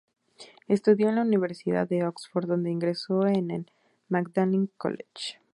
Estudió en la Universidad de Oxford, donde ingresó en el Magdalen College.